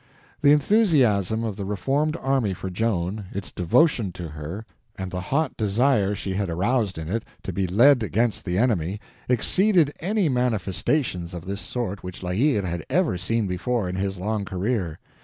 The enthusiasm of the reformed army for Joan, its devotion to her, and the hot desire she had aroused in it to be led against the enemy, exceeded any manifestations of this sort which La Hire had ever seen before in his long career.